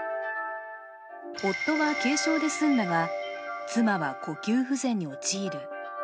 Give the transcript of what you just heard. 夫は軽症で済んだが、妻は呼吸不全に陥る。